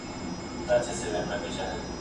راشه بیا قرغزي چم ته